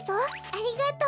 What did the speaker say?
ありがとう。